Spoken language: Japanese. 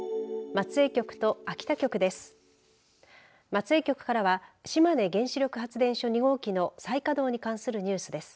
松江局からは島根原子力発電所２号機の再稼働に関するニュースです。